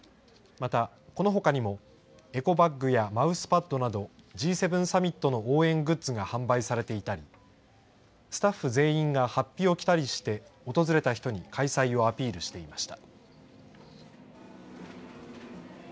また、このほかにもエコバッグやマウスパッドなどＧ７サミットの応援グッズが販売されていたりスタッフ全員がはっぴを着たりして訪れた人に開催をアピールしていました。